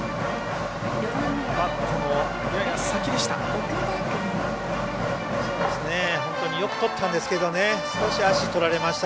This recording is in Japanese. バットのやや先でした。